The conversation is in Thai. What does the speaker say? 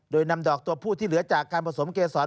โดยนำดอกตัวผู้ที่เหลือจากการผสมเกษร